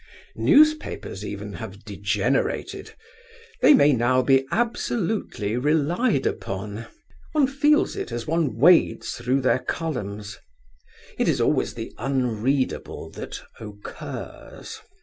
Newspapers, even, have degenerated. They may now be absolutely relied upon. One feels it as one wades through their columns. It is always the unreadable that occurs.